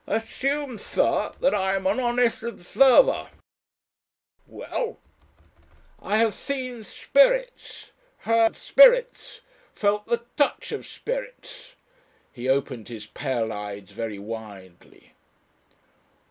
"Assume, sir, that I am an honest observer." "Well?" "I have seen spirits, heard spirits, felt the touch of spirits," He opened his pale eyes very widely.